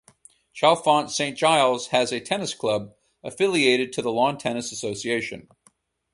Chalfont Saint Giles has a tennis club, affiliated to the Lawn Tennis Association.